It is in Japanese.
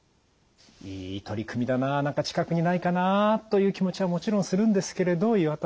いい取り組みだな何か近くにないかなという気持ちはもちろんするんですけれど岩田さん。